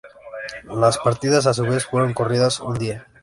Las partidas a su vez fueron corridas un día.